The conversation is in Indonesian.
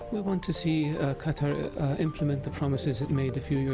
kita ingin melihat qatar menetapkan janji yang telah dilakukan beberapa tahun lalu